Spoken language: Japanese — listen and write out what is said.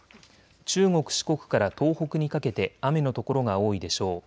中国、四国から東北にかけて雨の所が多いでしょう。